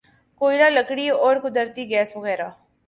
کوئلہ لکڑی اور قدرتی گیس وغیرہ